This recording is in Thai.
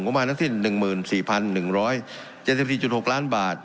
ว่ามารถที่๑๔๑๗๔๖ล้านบาท